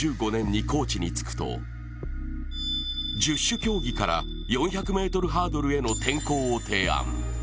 ２０１５年にコーチに就くと十種競技から４００ｍハードルへの転向を提案。